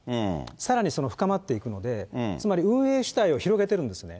さらにその深まっていくので、つまり運営主体を広げているんですね。